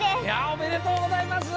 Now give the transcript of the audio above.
おめでとうございます！